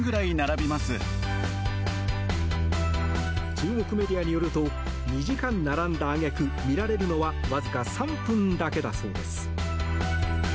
中国メディアによると２時間並んだあげく見られるのはわずか３分だけだそうです。